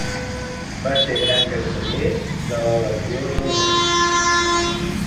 Va ser Gran Canceller de la Legió de l'Honor.